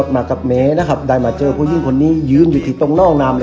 มากับแหมนะครับได้มาเจอพี่ผู้นี้ยืนอยู่ที่ตรงนอกนาม